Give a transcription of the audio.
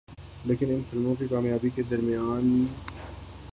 لیکن ان فلموں کی کامیابی کے درمیان